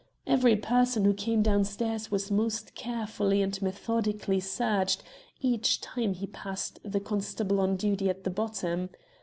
Every person who came downstairs was most carefully and methodically searched each time he passed the constable on duty at the bottom.